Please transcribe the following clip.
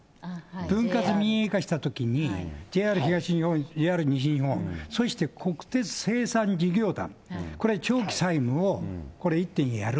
分割民営化したときに、ＪＲ東日本、ＪＲ西日本、そして国鉄清算事業団、これは長期債務を一手にやる。